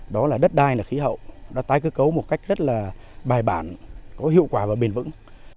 đó là đất đai là khí hậu đã tái cơ cấu một cách rất là bài bản có hiệu quả và bền vững